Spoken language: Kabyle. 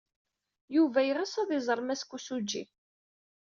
Yuba yeɣs ad iẓer Mass Kosugi.